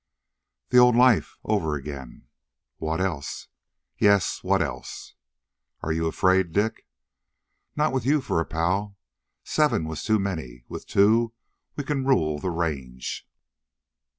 "The old life over again?" "What else?" "Yes; what else?" "Are you afraid, Dick?" "Not with you for a pal. Seven was too many; with two we can rule the range."